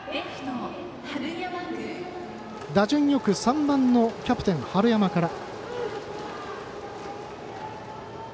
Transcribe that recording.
打順よく３番キャプテンの春山から。